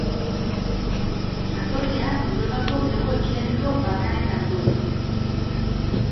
Jatorria Europako hego-ekialdeko Balkanetan du.